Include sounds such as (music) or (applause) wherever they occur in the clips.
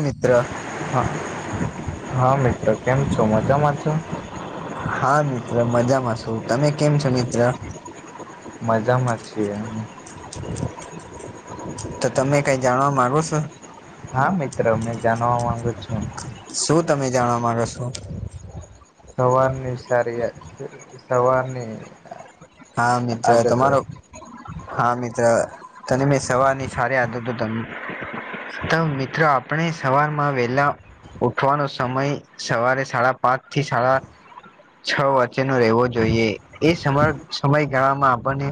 મિત્ર હા હા મિત્ર કેમ છો મજામાં છો. હા મિત્ર મજામાં શું તમે કેમ છો મિત્ર. મજામાં જ છીએ એમ. તો તમે કઈ જાણવા માંરુ સ. હા મિત્ર મેં જાણવા માંગુ છું. શું તમે જાણવા માંગો છો? સવારની સારી સવારની હા મિત્ર આદત તમારો હા મિત્ર તને મેં સવારની સારી આદતો તો મિત્રો આપણે સવારમાં વેલા ઉઠવાનો સમય સવારે સાડા પાંચ થી સાડા છ વચ્ચેનો રહેવો જોઈએ એ સમ સમયગાળામાં આપણને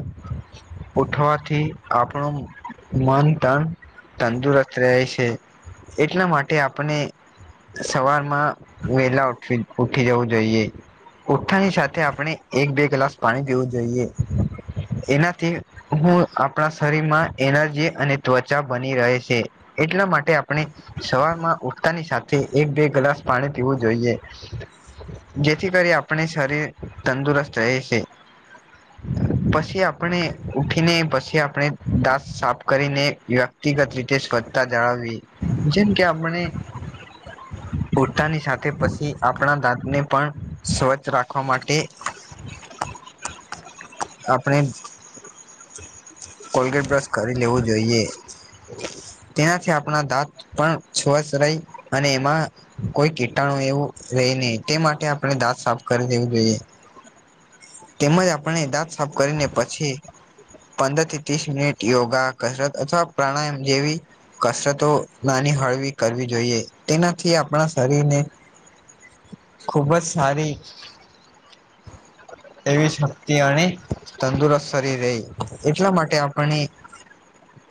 ઉઠવાથી આપણું મન તન તંદુરસ્ત રહે છે એટલા માટે આપણે સવારમાં વેલા ઉઠી ઉઠી જવું જોઈએ. ઊઠવા ની સાથે આપણે એક બે ગ્લાસ પાણી પીવું જોઈએ એનાથી હું આપણા શરીરમાં એનર્જી અને ત્વચા બની રહે છે. એટલા માટે આપણે સવારમાં ઉઠતાની સાથે એક બે ગ્લાસ પાણી પીવું જોઈએ. જેથી કરી આપણે શરીર તંદુરસ્ત રહે છે. પછી આપણે ઉઠીને પછી આપણે દાંત સાફ કરીને વ્યક્તિગત રીતે સ્વચ્છતા જાળવવી જેમ કે આપણે ઉઠતાની સાથે પછી આપણા દાંતને પણ સ્વચ્છ રાખવા માટે આપણે કોલગેટ બ્રશ કરી લેવું જોઈએ. તેનાથી આપણા દાંત પણ સ્વચ્છ રહે અને એમાં કોઈ કીટાણુ એવું રહી ન તે માટે આપણે દાંત સાફ કરી દેવું જોઈએ. તેમજ આપણે દાંત સાફ કરીને પછી પંદર થી ત્રીસ મિનિટ યોગા કસરત અથવા પ્રાણાયામ જેવી કસરતો નાની હળવી કરવી જોઈએ તેનાથી આપણા શરીરને ખુબ જ સારી એવી તંદુરસ્ત કરી રહી એટલા માટે આપને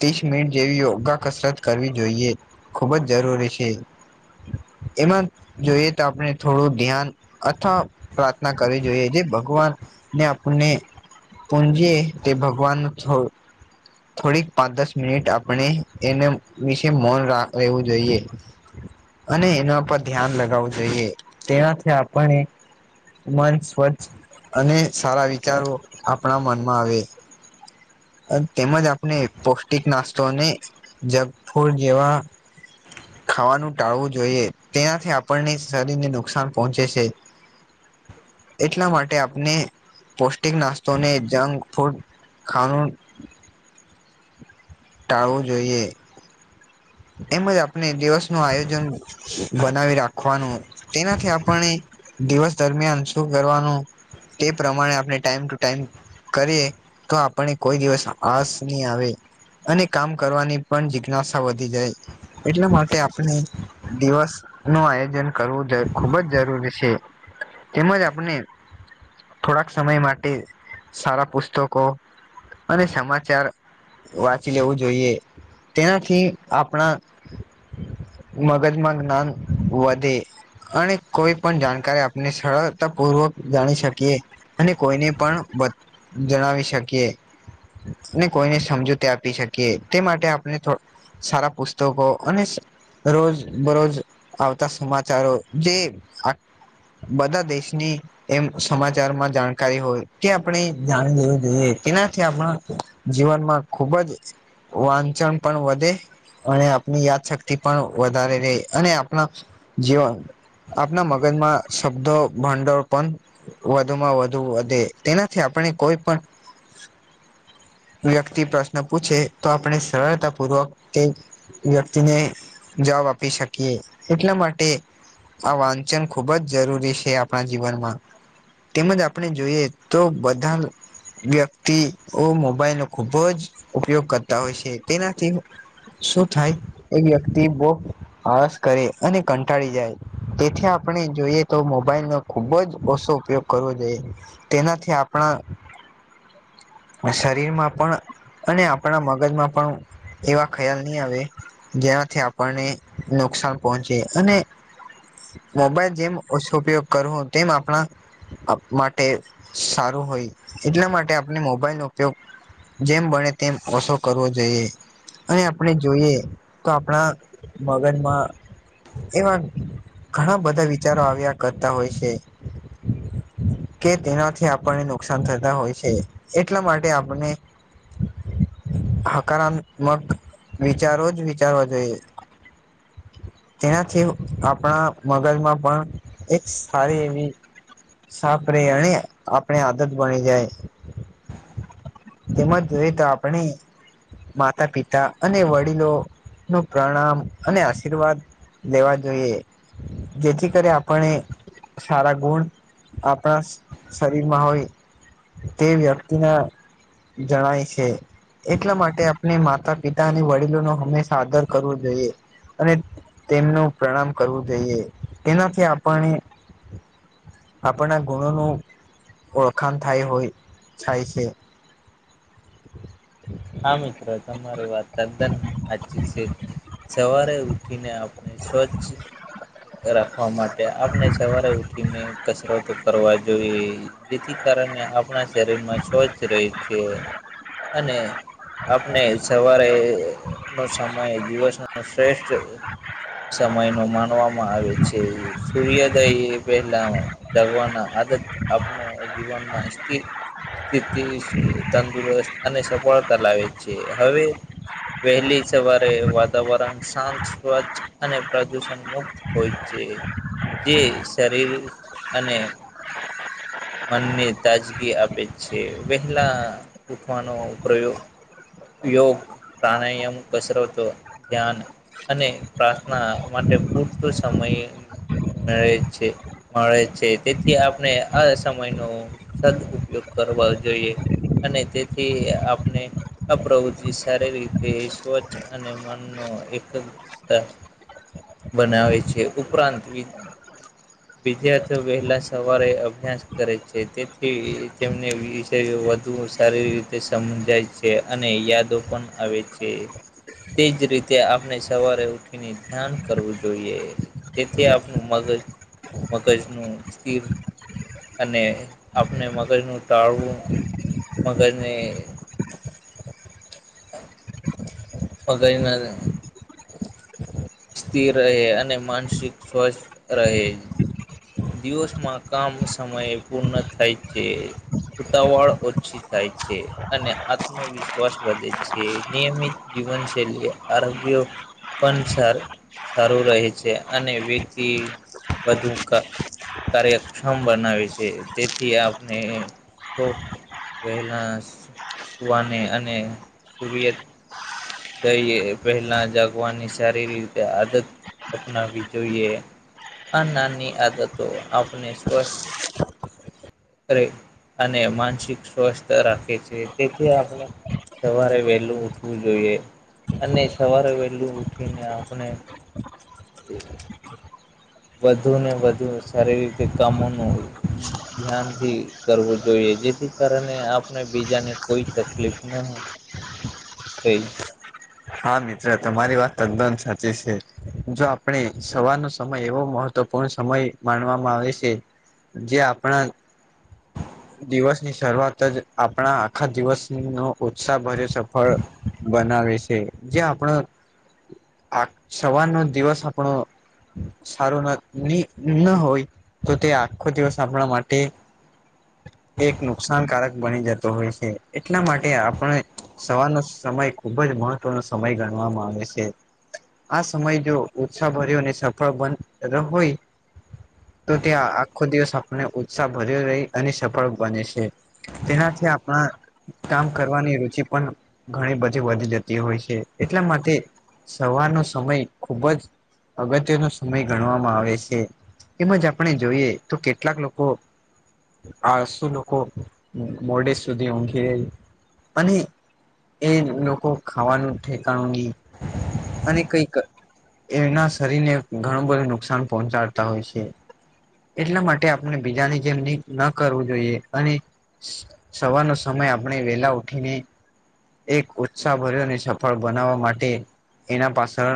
ત્રીસ મિનિટ જેવી યોગા કસરત કરવી જોઈએ ખુબ જ જરૂરી છે. એમાં જોઈએ તો આપણે થોડું ધ્યાન અથવા પ્રાર્થના કરવી જોઈએ જે ભગવાનને ને પુંજી તે ભગવાન થોડીક પાંચ દસ મિનિટ આપણે એને વિશે મૌન રા રહેેવું જોઈએ. અને એના પર ધ્યાન લગાવવું જોઈએ તેનાથી આપણે મન સ્વચ્છ અને સારા વિચારો આપણા મનમાં આવે. તેમજ આપણે પૌષ્ટિક નાસ્તો અને જંકફૂડ જેવા ખાવાનું ટાળવું જોઈએ તેનાથી આપણને શરીરને નુકસાન પહોંચે છે. એટલા માટે આપને પૌષ્ટિક નાસ્તો ને જંક ફૂડ ખાવાનું ટાળવું જોઈએ એમજ આપણે દિવસ નું આયોજન બનાવી રાખવાનું તેનાથી આપને દિવસ દરમિયાન શું કરવાનું તે પ્રમાણે આપણે ટાઈમ ટુ ટાઈમ કરીએ તો આપને કોઈ દિવસ આસ નહી આવે અને કામ કરવાની પણ જિજ્ઞાસા વધી જાય એટલા માટે આપણે દિવસ નું આયોજન કરવું ખુબ જ જરૂરી છે તેમજ આપણે થોડાક સમય માટે સારા પુસ્તકો અને સમાચાર વાંચી લેવું જોઈએ તેનાથી આપણા મગજમાં જ્ઞાન વધે અને કોઈ પણ જાણકારી આપને સરળતા પૂર્વક જાણી શકીએ અને કોઈને પણ જણાવી શકીએ ને કોઈને સમજૂ તે આપી શકીએ તે માટે આપણેો સારા પુસ્તકો અને રોજ બરોજ આવતા સમાચારો જે બધા દેશની એમ સમાચારમાં જાણકારી હોય તે આપણે જાણી લેવું જોઈએ તેનાથી આપણા જીવનમાં ખુબ જ વાંચન પણ વધે અને આપણી યાદ શક્તિ પણ વધારે ર અને આપણા જીવન આપના મગજમાં શબ્દો ભંડોળ પણ વધુ માં વધુ વધે તેનાથી આપણે કોઈ પણ વ્યક્તિ પ્રશ્ન પૂછે તો આપણે સરળતા પૂર્વક તે વ્યક્તિને જબ આપી શકીએ એટલા માટે આ વાંચન ખુબ જ જરૂરી છે આપણા જીવનમાં તેમજ આપણે જોઈએ તો બધા વ્યક્તિઓ મોબાઈલ નો ખુબ જ ઉપયોગ કરતા હોય છે તેનાથી શું થાય એ વ્યક્તિ બહ આળસ કરે અને કંટાળી જાય તેથી આપણે જોઈએ તો મોબાઈલ નો ખુબ જ ઓછો ઉપયોગ કરવો જોઈએ તેનાથી આપણા શરીરમાં પણ અને આપણા મગજમાં પણ એવા ખ્યાલ નહી આવે જેનાથી આપણને નુકસાન પહોંચે અને મોબાઈલ જેમ ઉપયોગ કરો તેમ આપણા માટે સારું હોય એટલા માટે આપણે મોબાઈલનોો ઉપયોગ જેમ બણે તેમ ઓછો કરવો જોઈએ અને આપણે જોઈએ તો આપણા મગનમાં એવા ઘણા બધા વિચારો આવ્યા કરતા હોય છે કે તેનાથી આપણને નુકસાન થતા હોય છે એટલા માટે આપને હાકારન મગ વિચારો જ વિચારવા જોઈએ તેનાથી આપણા મગજમાં પણ એક સારી એવી સાફ રે અને આપણે આદત બની જાય તેમમાંજ જોઈ તો આપણે માતા પિતા અને વડીલો નું પ્રણામ અને આશીર્વાદ લેવા જોઈએ જેથી કરી આપણે સારા ગુણ આપણા શરીરમાં હોય તે વ્યક્તિના જણાય છે એટલા માટે માતા પિતા અને વડીલો ન હંમેશા આદર કરવો જોઈએ અને તેમનું પ્રણામ કરવું જોઈએ તેનાથી આપણે આપણના ગુણોનું ઓળખાણ થાય હોય થાય છે હા મિત્ર તમારી વાત તદ્દન હાચી છે સવારે ઉઠીને ને સ્વચ્છ રાખવા માટે આપણે સવારે ઉઠીને કચરતો કરવા જોઈએ. જેથી કારણે આપણા શરીરમાં સ્વચ્છ રહે છે અને આપણે સવારે નો સમય દિવસ નો શ્રેષ્ઠ સમય નો માનવામાં આવે છે સૂર્યોદય એ પહેલા મા દગવાના આદત આપનો જીવનમાં સિત સ્થિતિ તંદુરસ્ત અને સફળતા લાવે છે હવે વહેલી સવારે વાતાવરણ શાંત સ્વચ્છ અને પ્રદૂષણ મુક્ત હોય છે. જે શરીર અને મનને તાજગી આપે છે વહેલા ઉઠવાનો પ્રયો યોગ પ્રાણાયામ કસરતો ધ્યાન અને પ્રાર્થના માટે પૂરતો સમય મેળે છે. મળે છે તેથી આપણે આ સમયનો સદ ઉપયોગ કરવા જોઈએ. અને તેથી આ અને આ પ્રવૃત્તિ સારી રીતે સ્વચ્છ અને મનનો એક બનાવે છે ઉપરાંત હ વિદ્યાર્થીઓ વહેલા સવારે અભ્યાસ કરે છે તેથી તેમને વી વધુ સારી રીતે સમજાય છે અને યાદો પણ આવે છે. તેજ રીતે આપણે સવારે ઉઠીને ધ્યાન કરવું જોઈએ. તેથી આપણું મગજ મગજનું સ્થિર અને આપણે મગજનું ટાળવું મગજને મગજ ન સ્થિર રહે અને માનસિક સ્વસ્થ રહે દિવસમાં કામ સમયે પૂર્ણ થાય છે. ઉતાવળ ઓછી થાય છે અને આત્મવ વીશ્વાસ વધે છે નિયમિત જીવનશૈલી આરોગ્ય પણ સાર સારું રહે છે અને વ્યક્તિ વધુ કાર્યક્ષમ બનાવે છે તેથી આપણે શો વહેલા સુવાને અને સુર્યત પહેલા જાગવાની સારી રીતે આદત અપનાવી જોઈએ આ નાની આદતો આપણે સ્વસ્થ અને માનસિક સ્વસ્થ રાખે છે તેથી આપણે સવારે વહેલું ઉઠવું જોઈએ. અને સવારે વહેલું ઉઠીને આપણે વધુ ને વધુ સારી રીતે કામો નો ધ્યાનથી કરવું જોઈએ જેથી કારણે આપણે બીજાને કોઈ તકલીફ ના તે હા મિત્ર તમારી વાત તદ્દન સાચી છે. જો આપણે સવાર નો સમય એવો મહત્વપૂર્ણ સમય માનવામાં આવે છે. જે આપણા દિવસ ની શરૂઆત જ આપણા આખા દિવસ નો ઉત્સાહ ભર્યો સફળ બનાવે છે જે આપણ આ સવાર નો દિવસ આપણો સારું નો ની હોય. તો તે આખો દિવસ આપણા માટે એક નુકસાનકારક બની જતો હોય છે એટલા માટે આપણે સવારનો સમય ખુબ જ મહત્વનો સમય ગણવામાં આવે છે. આ સમય જો ઉત્સાહ ભર્યો અને સફળ (unintelligible) હોય. તો ત્યાં આખો દિવસ આપને ઉત્સાહ ભર્યો રહી અને સફળ બને છે. તેનાથી આપણા કામ કરવાની રુચિ પણ ઘણી બધી વધી જતી હોય છે એટલા માટે સવારનો સમય ખુબ જ અગત્યનો સમય ગણવામાં આવે છે. એમજ આપણે જોઈએ તો કેટલાક લોકો આળસુ લોકો મોડે સુધી ઊંઘે અને એ લોકો ખાવાનું ઠેકાણું નહી અને કઈક એમના શરીર ને ઘણું બધું નુકસાન પહોંચાડતા હોય છે. એટલા માટે આપણે બીજાની જેમ ન કરવું જોઈએ અને સવારનો સમય આપણે વેલા ઉઠીને એક ઉત્સાહ ભર્યો અને સફળ બનાવવા માટે એના પાછળ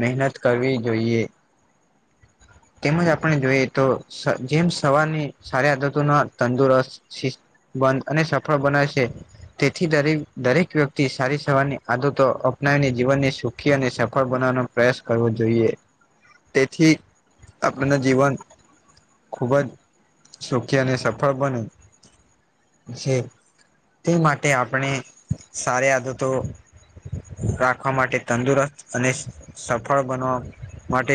મહેનત કરવી જોઈએ. તેમજ આપણે જોઈએ તો જેમ સવારની સારી આદતો ના તંદુરસ્ત બંધ અને સફળ બનાવશે તેથી દરેક દરેક વ્યક્તિ સારી સવારની આદતો અપનાવીને જીવનને સુખી અને સફળ બનાવાનો પ્રયાસ કરવો જોઈએ તેથી આપણને જીવન ખુબ જ સુખી અને સફળ બને છે તે માટે આપણે સારી આદતો રાખવા માટે તંદુરસ્ત અને સફળ બનવા માટે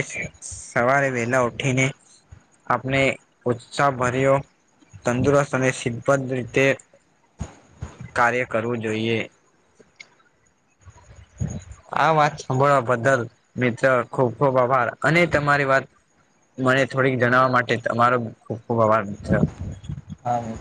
સવારે વેલા ઉઠીને આપણે ઉત્સાહ ભર્યો તંદુરસ્ત અને શીત પત રીતે કાર્ય કરવું જોઈએ. જોઈએ. આ વાત સાંભળવા બદલ મિત્ર ખુબ ખુબ આભાર અને તમારી વાત મને થોડીક જણાવવા માટે તમારો ખૂબ ખૂબ આભાર મિત્ર હા